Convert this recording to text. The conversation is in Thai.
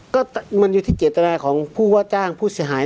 ก็มันอยู่ที่เจตนาของผู้ว่าจ้างผู้เสียหาย